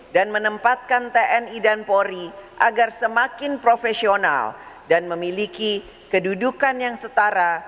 dan menempatkan tni dan polri agar semakin profesional dan memiliki kedudukan yang setara